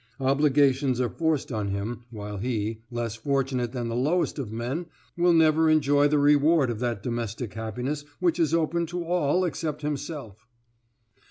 Obligations are forced on him while he, less fortunate than the lowest of men, will never enjoy the reward of that domestic happiness which is open to all except himself."